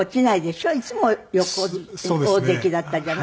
いつも大関だったじゃない？